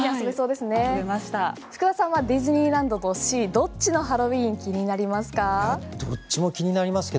福田さんはディズニーランドとシーどっちのハロウィン気になりますか。